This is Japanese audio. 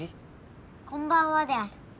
こんばんはである。